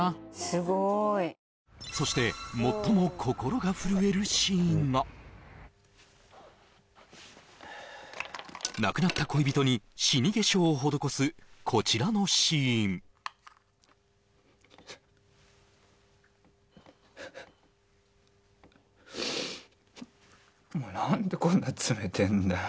すごいそして最も亡くなった恋人に死化粧を施すこちらのシーンお前何でこんな冷てえんだよ